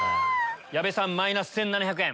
矢部さんマイナス１７００円。